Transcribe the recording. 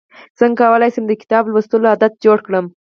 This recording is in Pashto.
څنګه کولی شم د کتاب لوستلو عادت جوړ کړم